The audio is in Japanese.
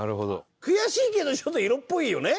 悔しいけどちょっと色っぽいよね。